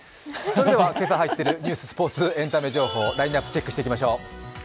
今朝入っているニュース、スポーツエンタメ情報、ラインナップ、チェックしていきましょう。